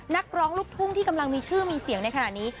นักร้องลูกทุ่งที่กำลังมีชื่อมีเสียงในขณะนี้